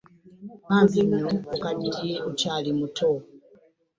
Bambi nno okaddiye okyali muto.